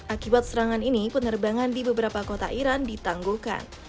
akibat serangan ini penerbangan di beberapa kota iran ditangguhkan